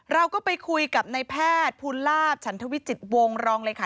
เราก็ไปคุยกับนายแพทย์ภูลาภฉันทวิจิตวงรองเลยค่ะ